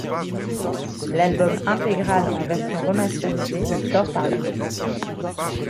L'album intégral en version remastérisée sort par la suite.